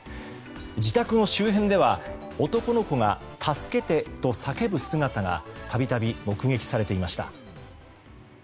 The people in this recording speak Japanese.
自宅の周辺では男の子が助けてと叫ぶ姿が度々目撃されていました。